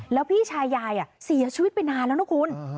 แล้วพี่ชายยายเสียชีวิตไปนานแล้วนะคุณ